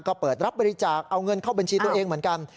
ก็เปิดรับบริจาคเอาเงินเข้าบัญชีตัวเองเหมือนกัน